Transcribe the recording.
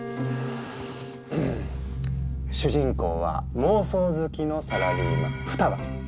主人公は妄想好きのサラリーマン二葉。